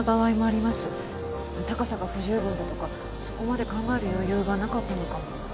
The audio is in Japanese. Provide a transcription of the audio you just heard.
高さが不十分だとかそこまで考える余裕がなかったのかも。